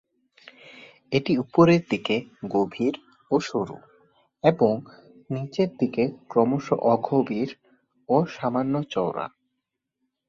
এটি উপরের দিকে গভীর ও সরু, এবং নিচের দিকে ক্রমশ অগভীর ও সামান্য চওড়া।